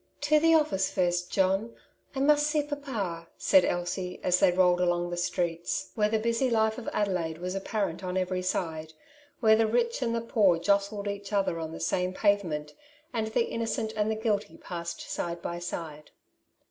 *' To the office first, John ; I must see papa," said Elsie, as they I'olled along the streets, where the busy 58 " Two Sides, to every Question^ life of Adelaide was apparent on every side — where the rich and the poor jostled each other on the same pavement, and the innocent and the guilty passed side by side.